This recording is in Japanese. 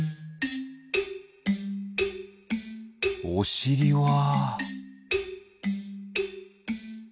おしりは？